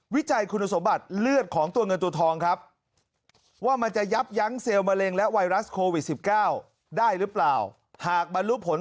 วิจัยคุณสมบัติเลือดของตัวเงินตัวทองครับ